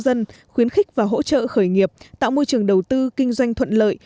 dân khuyến khích và hỗ trợ khởi nghiệp tạo môi trường đầu tư kinh doanh thuận lợi